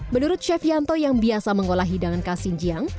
menurut chef yanto yang biasa mengolah hidangan khas xinjiang